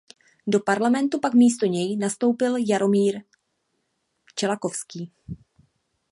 Do parlamentu pak místo něj nastoupil Jaromír Čelakovský.